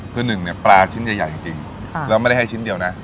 คือหนึ่งเนี่ยปลาชิ้นใหญ่จริงแล้วไม่ได้ให้ชิ้นเดียวนะ